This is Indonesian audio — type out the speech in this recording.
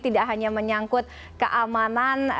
tidak hanya menyangkut keamanan